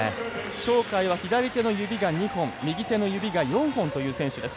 鳥海は左手の指が２本右手の指が４本という選手です。